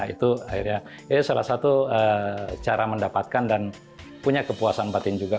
itu akhirnya salah satu cara mendapatkan dan punya kepuasan batin juga